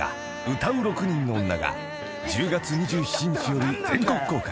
『唄う六人の女』が１０月２７日より全国公開］